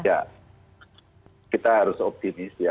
ya kita harus optimis ya